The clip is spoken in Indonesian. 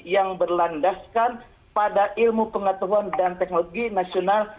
yang berlandaskan pada ilmu pengetahuan dan teknologi nasional